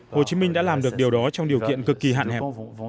hồ chí minh đã làm được điều đó trong điều kiện cực kỳ hạn hẹp